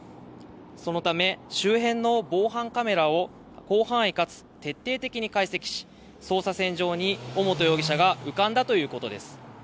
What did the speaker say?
そのため周辺の防犯カメラを広範囲かつ徹底的に解析し、捜査線上に尾本容疑者が浮かんだということです。